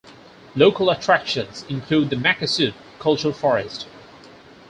Local attractions include the Makasutu Culture Forest.